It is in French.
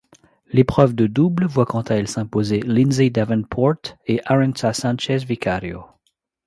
L'épreuve de double voit quant à elle s'imposer Lindsay Davenport et Arantxa Sánchez Vicario.